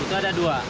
itu ada dua